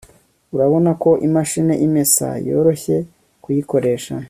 urabona ko imashini imesa yoroshye kuyikoresha